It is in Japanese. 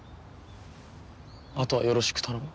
あとはよろしく頼む。